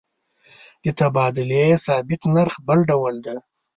د تبادلې ثابت نرخ بل ډول دی.